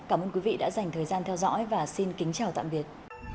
cảm ơn quý vị đã dành thời gian theo dõi và xin kính chào tạm biệt